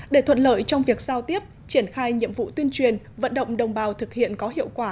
để thuận lợi trong việc giao tiếp triển khai nhiệm vụ tuyên truyền vận động đồng bào thực hiện có hiệu quả